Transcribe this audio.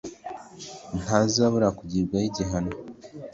ntazabura kugibwaho igihano